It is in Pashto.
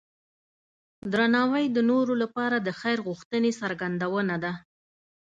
درناوی د نورو لپاره د خیر غوښتنې څرګندونه ده.